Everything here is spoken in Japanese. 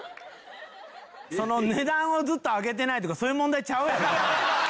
値段をずっと上げてないとかそういう問題ちゃうやろ。